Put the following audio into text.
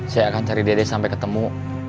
saya akan cari dede sampai ketemu